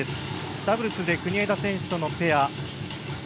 ダブルスで国枝選手とのペア。